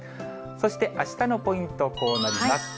そして、あしたのポイント、こうなります。